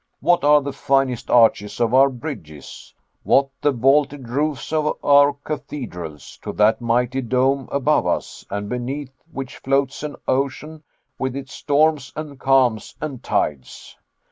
What are the finest arches of our bridges, what the vaulted roofs of our cathedrals, to that mighty dome above us, and beneath which floats an ocean with its storms and calms and tides!"